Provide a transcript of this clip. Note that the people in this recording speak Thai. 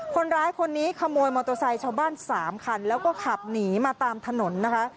คนร้ายคนนี้ขโมยมอเตอร์ไซค์ชาวบ้าน๓คันแล้วก็ขับหนีมาตามถนนนะคะ